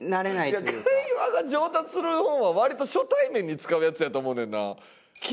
いや会話が上達する本は割と初対面に使うやつやと思うねんな。